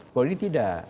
kalau ini tidak